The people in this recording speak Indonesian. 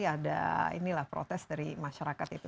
pasti ada ini lah protes dari masyarakat itu